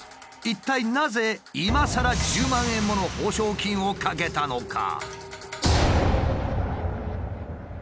一体なぜいまさら１０万円もの報奨金をかけたのか？